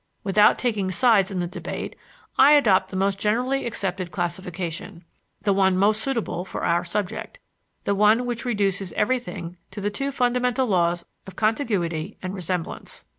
Without taking sides in the debate, I adopt the most generally accepted classification, the one most suitable for our subject the one that reduces everything to the two fundamental laws of contiguity and resemblance.